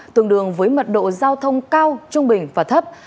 tường đường với mật độ giao thông cao trung bình và thấp